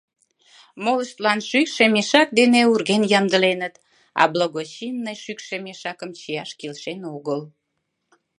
Молыштлан шӱкшӧ мешак дене урген ямдыленыт, а «благочинный» шӱкшӧ мешакым чияш келшен огыл.